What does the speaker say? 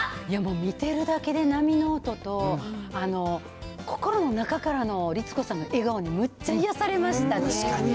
いや、もう見てるだけで、波の音と、心の中からの律子さんの笑顔にむっちゃ癒やされましたね。